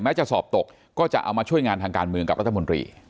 จะสอบตกก็จะเอามาช่วยงานทางการเมืองกับรัฐมนตรี